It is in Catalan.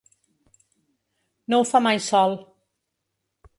No ho fa mai sol.